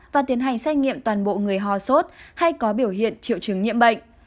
và tiến hành xét nghiệm toàn bộ người ho sốt hay có biểu hiện triệu chứng nhiễm bệnh